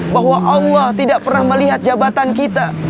bahwa allah tidak pernah melihat jabatan kita